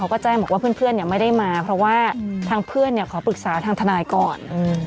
ก็แจ้งบอกว่าเพื่อนไม่ได้มาเพราะว่าทางเพื่อนขอปรึกษาทางทนายก่อน